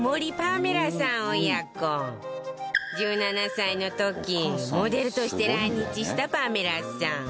１７歳の時モデルとして来日したパメラさん